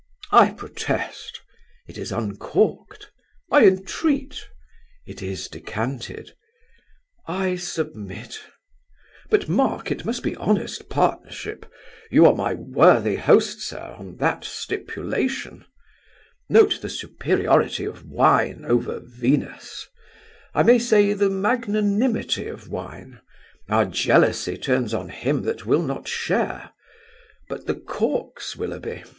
"I protest." "It is uncorked." "I entreat." "It is decanted." "I submit. But, mark, it must be honest partnership. You are my worthy host, sir, on that stipulation. Note the superiority of wine over Venus! I may say, the magnanimity of wine; our jealousy turns on him that will not share! But the corks, Willoughby.